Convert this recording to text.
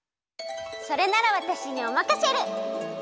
それならわたしにおまかシェル！